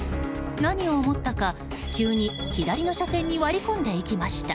何を思ったか、急に左の車線に割り込んでいきました。